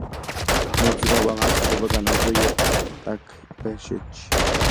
მოძრაობამ არსებობა განაგრძო იატაკქვეშეთში.